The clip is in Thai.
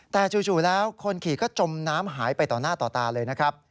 แต่จู่แล้วคนขี่ก็จมน้ำหายไปต่อหน้าต่อตาเลยนะครับ